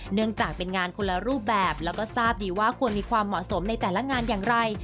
เนื่องจากเป็นงานคนละรูปแบบแล้วก็ทราบดีว่าควรมีความเหมาะสมในแต่ละงานอย่างไร